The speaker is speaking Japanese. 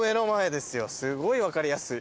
すごい分かりやすい。